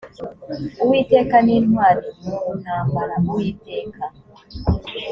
uwiteka ni intwari mu ntambara uwiteka